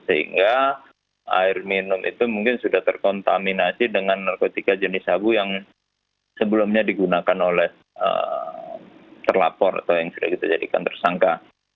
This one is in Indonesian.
sehingga air minum itu mungkin sudah terkontaminasi dengan narkotika jenis sabu yang sebelumnya digunakan oleh terlapor atau yang sudah kita jadikan tersangka